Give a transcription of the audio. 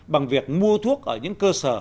bằng việc mua thuốc ở những cơ sở